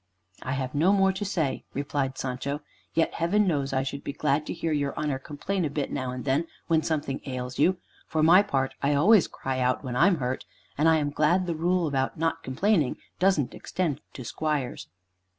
"I have no more to say," replied Sancho. "Yet Heaven knows I should be glad to hear your honor complain a bit, now and then, when something ails you. For my part, I always cry out when I'm hurt, and I am glad the rule about not complaining doesn't extend to squires."